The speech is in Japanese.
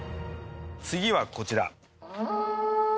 次はこちら。